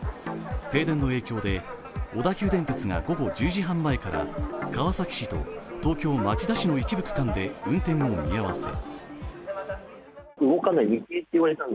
停電の影響で小田急電鉄が午後１０時半前から川崎市と東京・町田市の一部区間で運転を見合わせ。